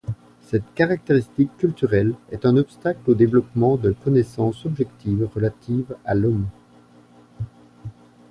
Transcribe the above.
Cette caractéristique culturelle est un obstacle au développement de connaissances objectives relatives à l'Homme.